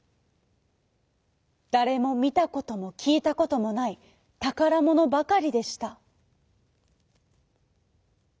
だれもみたこともきいたこともないたからものばかりでした。